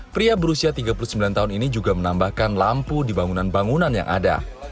pria berusia tiga puluh sembilan tahun ini juga menambahkan lampu di bangunan bangunan yang ada